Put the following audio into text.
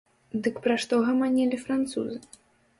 Дык пра што гаманілі французы?